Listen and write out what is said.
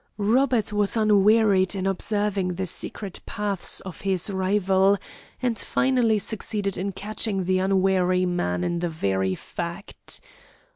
Robert was unwearied in observing the secret paths of his rival, and finally succeeded in catching the unwary man in the very fact.